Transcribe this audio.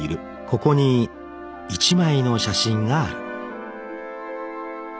［ここに１枚の写真がある］